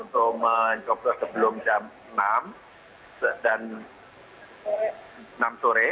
untuk mencoblasi sebelum jam enam sore